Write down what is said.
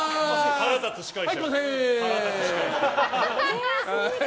腹立つ司会者。